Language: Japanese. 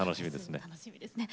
楽しみですね。